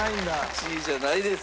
１位じゃないです。